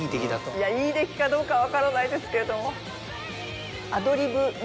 いやいい出来かどうかは分からないですけれども。